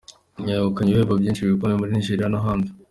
Yegukanye ibihembo byinshi bikomeye muri Nigeria no hanze.